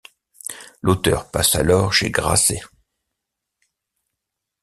L'auteur passe alors chez Grasset.